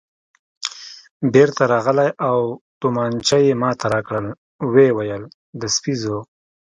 بېرته راغلی او تومانچه یې ما ته راکړل، ویې ویل: د سپي زوی.